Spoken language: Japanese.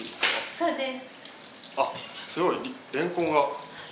そうです。